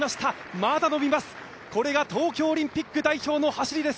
まだ伸びます、これが東京オリンピック代表の走りです。